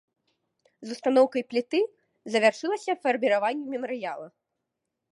З устаноўкай пліты завяршылася фарміраванне мемарыяла.